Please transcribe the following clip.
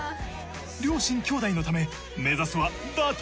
両親兄弟のため目指すは打倒